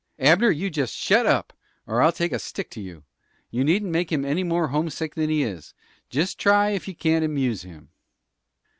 "Abner, you jest shut up, or I'll take a stick to you! You needn't make him any more homesick than he is. Just try ef you can't amuse him."